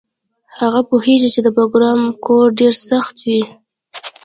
هغه پوهیږي چې د پروګرام کوډ ډیر سخت وي